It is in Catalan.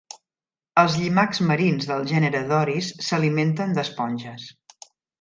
Els llimacs marins del gènere Doris s'alimenten d'esponges.